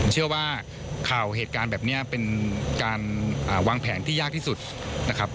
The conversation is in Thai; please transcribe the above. เชื่อว่าข่าวเหตุการณ์แบบนี้เป็นการวางแผนที่ยากที่สุดนะครับ